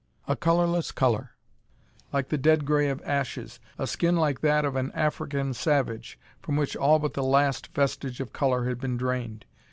A colorless color, like the dead gray of ashes; a skin like that of an African savage from which all but the last vestige of color had been drained.